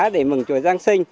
để mừng cho giáng sinh